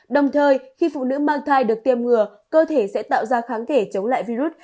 đồng thời khi phụ nữ mang thai được tiêm ngừa cơ thể sẽ tạo ra kháng thể chống lại virus